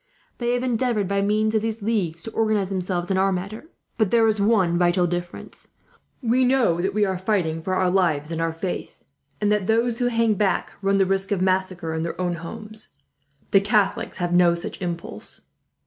They have endeavoured, by means of these leagues, to organize themselves in our manner; but there is one vital difference. We know that we are fighting for our lives and our faith, and that those who hang back run the risk of massacre in their own homes. The Catholics have no such impulse.